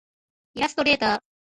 イラストレーター